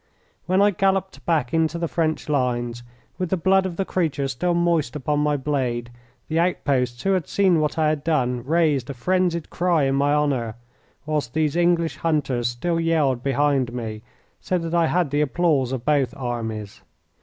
When I galloped back into the French lines with the blood of the creature still moist upon my blade the outposts who had seen what I had done raised a frenzied cry in my honour, whilst these English hunters still yelled behind me, so that I had the applause of both armies.